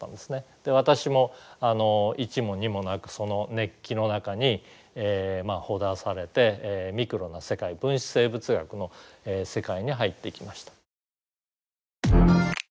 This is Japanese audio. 私も一も二もなくその熱気の中にほだされてミクロな世界分子生物学の世界に入っていきました。